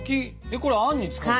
これあんに使うの？